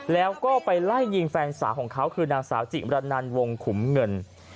แล้วก็ไปไล่ยิงแฟนสาวของเขาคือนางสาวจิมรนันวงขุมเงิน